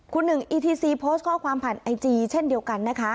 คุณหนึ่งอีทีซีโพสต์ข้อความผ่านไอจีเช่นเดียวกันนะคะ